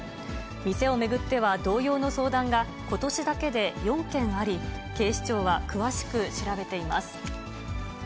店を巡っては、同様の相談が、ことしだけで４件あり、警視庁は詳しく調べています。